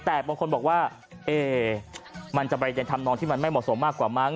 แต่บางคนบอกว่ามันจะไปในธรรมนองที่มันไม่เหมาะสมมากกว่ามั้